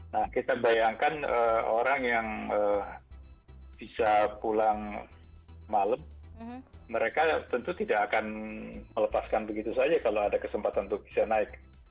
nah kita bayangkan orang yang bisa pulang malam mereka tentu tidak akan melepaskan begitu saja kalau ada kesempatan untuk bisa naik